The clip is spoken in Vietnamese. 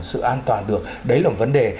sự an toàn được đấy là vấn đề